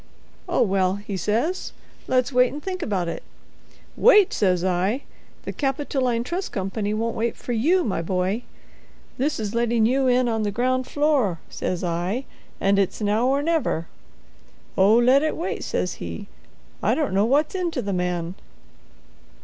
'Oh, well,' he says, 'let's wait and think about it.' 'Wait!' says I, 'the Capitoline Trust Company won't wait for you, my boy. This is letting you in on the ground floor,' says I, 'and it's now or never.' 'Oh, let it wait,' says he. I don't know what's in to the man."